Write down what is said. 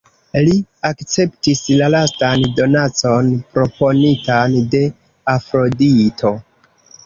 Li akceptis la lastan donacon, proponitan de Afrodito.